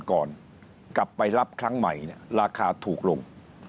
ก่อนกลับไปรับครั้งใหม่ราคาถูกลง